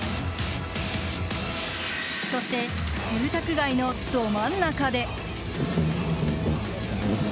そして住宅街のど真ん中で。